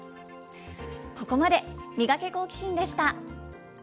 ここまでミガケ、好奇心！でした。